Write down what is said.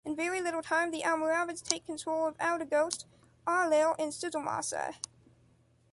In very little time, the Almoravids take control of Aoudaghost, Awlil and Sijilmassa.